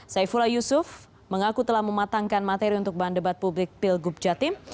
saifullah yusuf mengaku telah mematangkan materi untuk bahan debat publik pilgub jatim